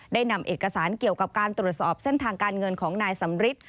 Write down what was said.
ได้นำเอกสารเกี่ยวกับการตรวจสอบเส้นทางการเงินของนายสำริท